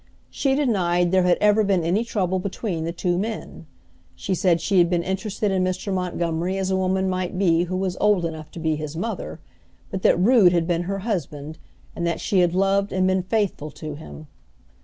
She denied there had ever been any trouble between the two men. She said she had been interested in Mr. Montgomery as a woman might be who was old enough to be his mother, but that Rood had been her husband and that she had loved and been faithful to him.